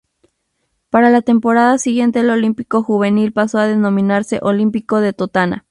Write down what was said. Para la temporada siguiente el Olímpico Juvenil pasó a denominarse Olímpico de Totana.